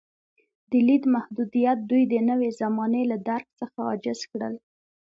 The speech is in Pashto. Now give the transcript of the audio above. د لید محدودیت دوی د نوې زمانې له درک څخه عاجز کړل.